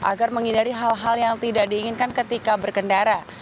agar menghindari hal hal yang tidak diinginkan ketika berkendara